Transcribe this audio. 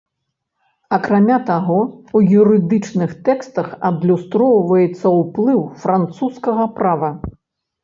Акрамя таго, у юрыдычных тэкстах адлюстроўваецца ўплыў французскага права.